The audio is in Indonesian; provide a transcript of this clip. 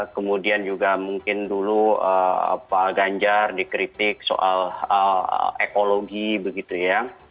kemudian juga mungkin dulu pak ganjar dikritik soal ekologi begitu ya